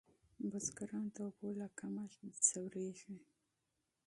بزګران د اوبو له کمښت ځوریږي.